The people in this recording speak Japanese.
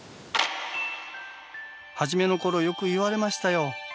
初めのころよく言われましたよ。